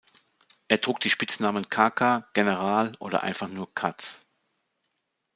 Er trug die Spitznamen „Kaka“, „General“ oder einfach nur „Kaz“.